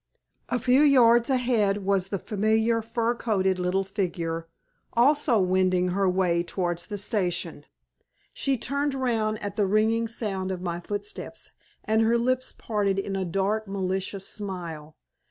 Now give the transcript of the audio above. A few yards ahead was the familiar fur coated little figure, also wending her way towards the station. She turned round at the ringing sound of my footsteps, and her lips parted in a dark, malicious smile.